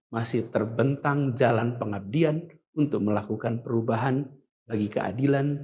masih terbentang jalan pengabdian untuk melakukan perubahan bagi keadilan